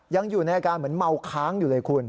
ยังอยู่ในอาการเหมือนเมาค้างอยู่เลยคุณ